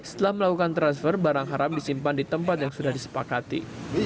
setelah melakukan transfer barang haram disimpan di tempat yang sudah disepakati